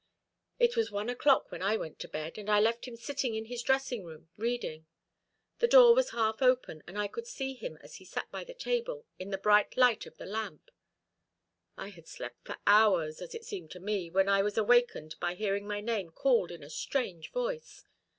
It was one o'clock when I went to bed, and I left him sitting in his dressing room, reading. The door was half open, and I could see him, as he sat by the table, in the bright light of the lamp. I had slept for hours, as it seemed to me, when I was awakened by hearing my name called in a strange voice.